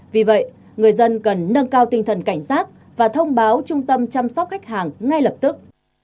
vì vậy người dân cần nâng cao tinh thần cảnh giác và thông báo trung tâm chăm sóc khách hàng ngay lập tức